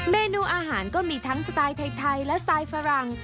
เมนูอาหารก็มีทั้งสไตล์ไทยและสไตล์ฝรั่ง